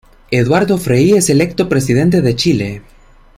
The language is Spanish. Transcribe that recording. Eduardo Frei es electo Presidente de Chile.